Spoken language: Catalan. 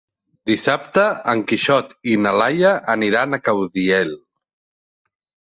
Dissabte en Quixot i na Laia aniran a Caudiel.